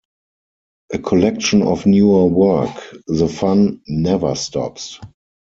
A collection of newer work, The Fun Never Stops!